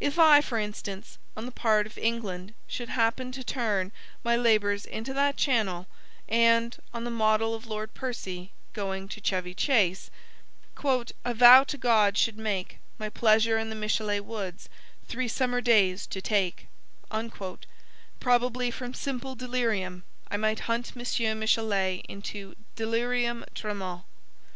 If I, for instance, on the part of England, should happen to turn my labors into that channel, and (on the model of Lord Percy going to Chevy Chase) "A vow to God should make My pleasure in the Michelet woods Three summer days to take," probably from simple delirium, I might hunt M. Michelet into delirium tremens.